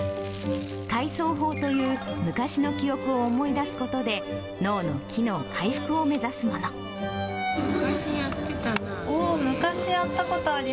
回送法という昔の記憶を思い出すことで、脳の機能回復を目指すも昔やってたな、それ。